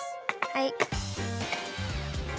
はい。